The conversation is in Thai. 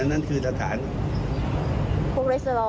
อันนั้นคือสถานบริการที่มีลักษณะคล้ายสถานบัั่นเถิง